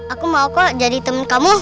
aku mau kok jadi teman kamu